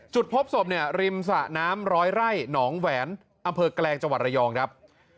พบศพเนี่ยริมสะน้ำร้อยไร่หนองแหวนอำเภอแกลงจังหวัดระยองครับ